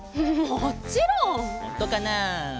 ほんとかな？